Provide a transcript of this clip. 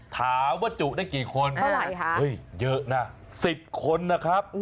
ถามว่าจุได้กี่คนเท่าไหร่คะเฮ้ยเยอะนะ๑๐คนนะครับ